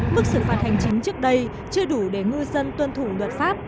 mức xử phạt hành chính trước đây chưa đủ để ngư dân tuân thủ luật pháp